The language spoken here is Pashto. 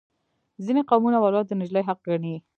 ځینې قومونه ولور د نجلۍ حق ګڼي.